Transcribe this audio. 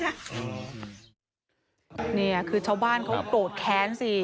ก็นี่คือชาวบ้านก็โตดแข็งซี